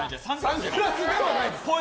サングラスではないです。